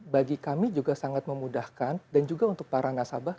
bagi kami juga sangat memudahkan dan juga untuk para nasabah